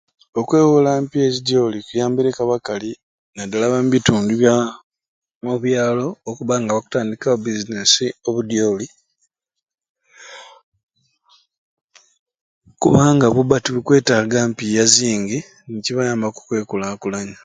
Okwewola empiya ezidyoli kuwambireku abakali nadala omu bitundu bya omubyalo okuba nga bakutandikawo e business obudyoli kubanga buba tebukwetaga mpiya zingi nikibayambu okwekulakulanya